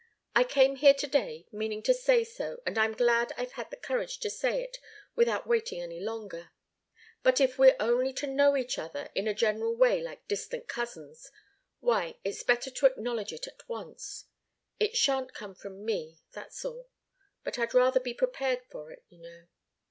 I came here to day, meaning to say so and I'm glad I've had the courage to say it without waiting any longer. But if we're only to know each other in a general way like distant cousins why, it's better to acknowledge it at once. It shan't come from me that's all. But I'd rather be prepared for it, you know."